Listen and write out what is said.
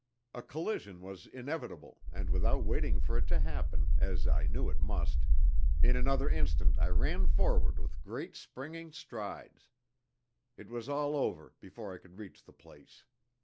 A collision was inevitable, and without waiting for it to happen, as I knew it must, in another instant I ran forward with great springing strides. It was all over before I could reach the place.